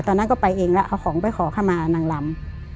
ตอนนั้นก็ไปเองแล้วเอาของไปขอเข้ามานางลำ